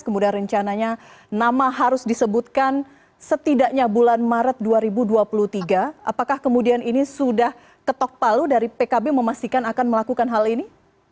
kemudian rencananya nama harus disebutkan setidaknya bulan maret dua ribu dua puluh tiga apakah kemudian ini sudah ketok palu dari pkb memastikan akan melakukan hal ini